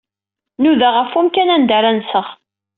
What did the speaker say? Nudaɣ ɣef umkan anda ara nseɣ.